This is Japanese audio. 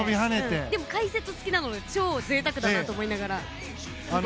でも解説付きなので超ぜいたくだなと思いながら見ていました。